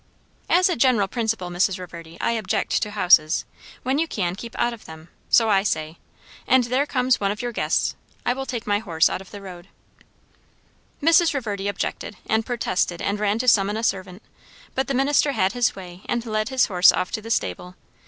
"As a general principle, Mrs. Reverdy, I object to houses. When you can, keep out of them. So I say. And there comes one of your guests. I will take my horse out of the road." Mrs. Reverdy objected and protested and ran to summon a servant, but the minister had his way and led his horse off to the stable.